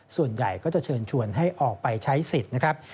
ส่วนใหญ่ก็จะเชิญชวนให้ออกไปใช้สิทธิ์นะครับ